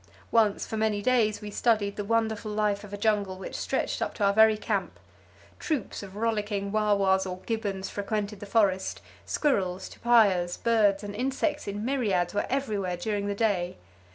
Once, for many days we studied the wonderful life of a jungle which stretched up to our very camp. Troops of rollicking wa was or gibbons frequented the forest; squirrels, tupaias, birds and insects in myriads were everywhere during the day.